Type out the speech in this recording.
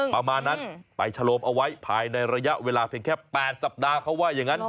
ประมาณนั้นไปฉโลมเอาไว้ภายในระยะเวลาเพียงแค่๘สัปดาห์เขาว่าอย่างนั้น